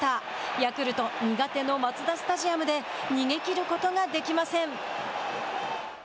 ヤクルト苦手のマツダスタジアムで逃げきることができません。